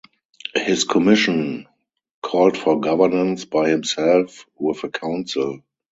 His commission called for governance by himself, with a council.